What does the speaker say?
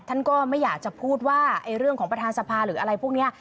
ท่านก็ไม่อยากจะพูดว่าเรื่องของประธานสภาหรืออะไรพวกนี้